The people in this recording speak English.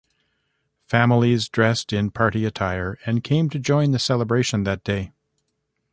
Families dressed in party attire and came to join the celebration that day.